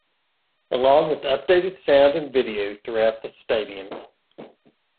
Along with updated sound and video throughout the stadium.